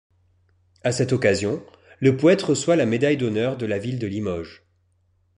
À cette occasion, le poète reçoit la médaille d'honneur de la Ville de Limoges.